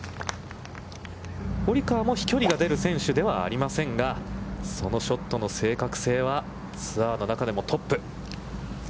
堀川も飛距離が出る選手ではありませんが、そのショットの正確性はツアーの中でもトップ。